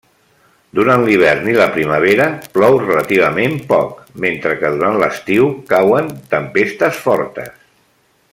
Durant l'hivern i la primavera plou relativament poc, mentre que durant l'estiu, cauen tempestes fortes.